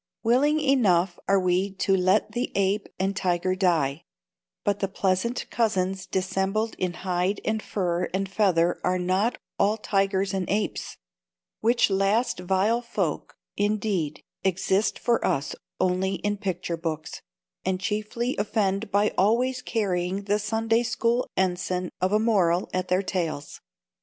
Willing enough are we to "let the ape and tiger die"; but the pleasant cousins dissembled in hide and fur and feather are not all tigers and apes: which last vile folk, indeed, exist for us only in picture books, and chiefly offend by always carrying the Sunday School ensign of a Moral at their tails.